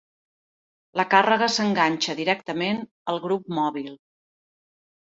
La càrrega s'enganxa directament al grup mòbil.